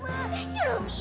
チョロミー